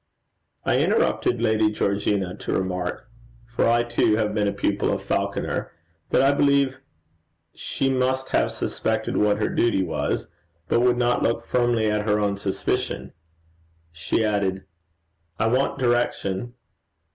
I interrupt Lady Georgina to remark for I too have been a pupil of Falconer that I believe she must have suspected what her duty was, and would not look firmly at her own suspicion. She added: 'I want direction.'